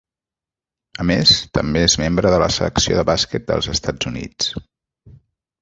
A més, també és membre de la Selecció de bàsquet dels Estats Units.